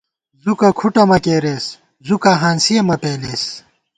زُکہ کھُٹہ مہ کېرېس ، زُکا ہانسِیَہ مہ پېلېس